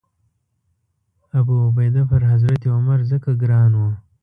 ابوعبیده پر حضرت عمر ځکه ګران و.